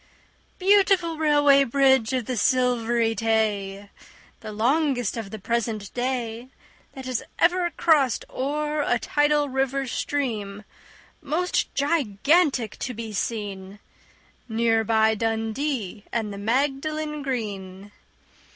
Beautiful Railway Bridge of the Silvery Tay! The longest of the present day That has ever crossed o'er a tidal river stream, Most gigantic to be seen, Near by Dundee and the Magdalen Green.